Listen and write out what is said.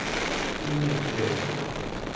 Ini-d ih!